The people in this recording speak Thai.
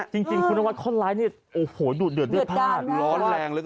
จริงคุณนาวัทคนร้ายนี่ดูดเดือกด้วยผ้าร้อนแรงเลย